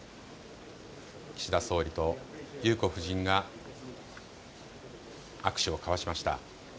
岸田総理と裕子夫人が握手を交わしました。